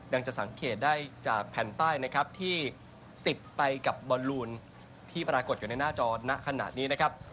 จะสังเกตได้จากแผ่นป้ายนะครับที่ติดไปกับบอลลูนที่ปรากฏอยู่ในหน้าจอณะขณะนี้นะครับ